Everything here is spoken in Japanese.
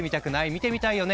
見てみたいよね？